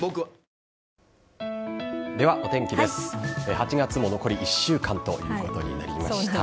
８月も残り１週間ということになりました。